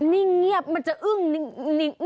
นิ่งเงียบมันจะอึ้งนิ่ง